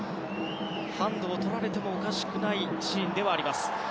ハンドをとられてもおかしくないシーンではあります。